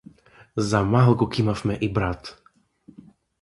За малку ќе имавме и брат.